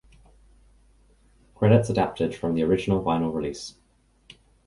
Credits adapted from the original vinyl release.